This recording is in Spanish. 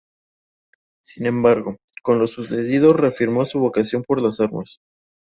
Sin embargo, con lo sucedido reafirmó su vocación por las armas.